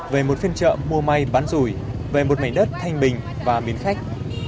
về một phiên chợ mua may bán rủi về một mảnh đất thanh bình và miền khách